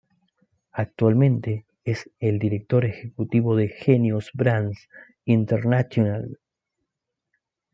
Actualmente es el director ejecutivo de Genius Brands International.